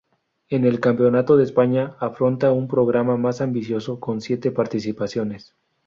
En el campeonato de España afronta un programa más ambicioso con siete participaciones.